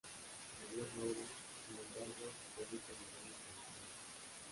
Su mayor logro, sin embargo, se produjo a nivel internacional.